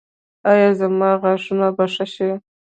ایا زما غاښونه به ښه شي؟